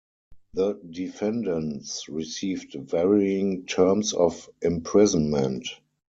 The defendants received varying terms of imprisonment.